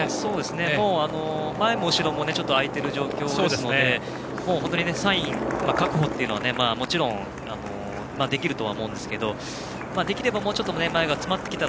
もう前も後ろも開いている状況ですので本当に３位確保というのはもちろん、できるとは思いますができればもうちょっと前が詰まってきたら